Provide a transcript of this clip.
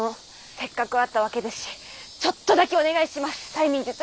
せっかく会ったわけですしちょっとだけお願いします